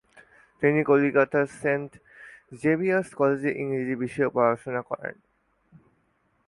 তিনি কলকাতার Saint Xavier's কলেজে ইংরেজি বিষয়ে পড়াশোনা করেন।